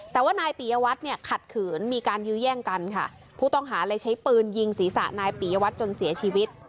แต่ว่านายปียวัตรเนี่ยขัดขืนมีการยื้อแย่งกันค่ะผู้ต้องหาเลยใช้ปืนยิงศีรษะนายปียวัตรจนเสียชีวิต